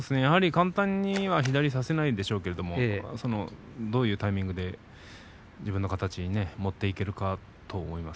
簡単に左を差せないでしょうがどういうタイミングで自分の形に持っていくかということと思います。